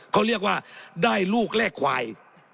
เขาเรียกว่าได้ลูกแลกควาย